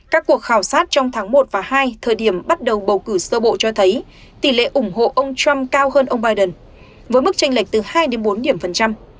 các cuộc khảo sát trong tháng một và hai thời điểm bắt đầu bầu cử sơ bộ cho thấy tỷ lệ ủng hộ ông trump cao hơn ông biden với mức tranh lệch từ hai đến bốn điểm phần trăm